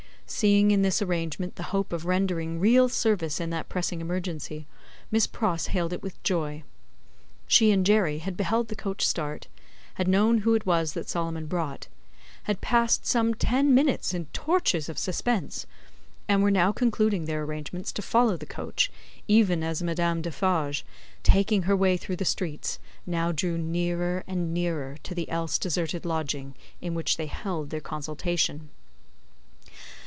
Seeing in this arrangement the hope of rendering real service in that pressing emergency, Miss Pross hailed it with joy. She and Jerry had beheld the coach start, had known who it was that Solomon brought, had passed some ten minutes in tortures of suspense, and were now concluding their arrangements to follow the coach, even as Madame Defarge, taking her way through the streets, now drew nearer and nearer to the else deserted lodging in which they held their consultation.